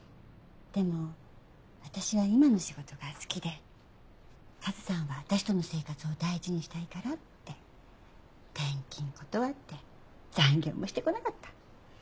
でも私は今の仕事が好きでカズさんは私との生活を大事にしたいからって転勤断って残業もして来なかった。